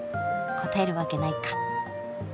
答えるわけないか。